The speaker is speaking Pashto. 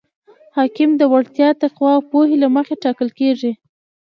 حاکم د وړتیا، تقوا او پوهې له مخې ټاکل کیږي.